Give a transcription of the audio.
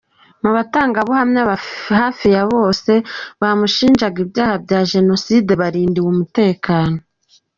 Mu batangabuhamya hafi ya bose bamushinja ibyaha bya jenoside barindiwe umutekano.